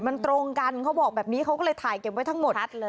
มันตรงกันเขาบอกแบบนี้เขาก็เลยถ่ายเก็บไว้ทั้งหมด